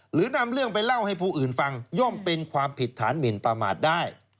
หรือนำเรื่องไปเล่าให้ผู้อื่นฟังย่อมเป็นความผิดฐานหมินประมาทได้